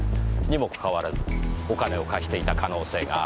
にもかかわらずお金を貸していた可能性がある。